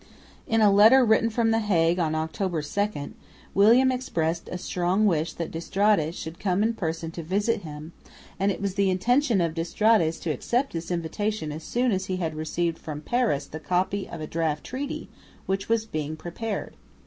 In a letter written from the Hague on October 2, William expressed a strong wish that d'Estrades should come in person to visit him; and it was the intention of d'Estrades to accept this invitation as soon as he had received from Paris the copy of a draft treaty, which was being prepared.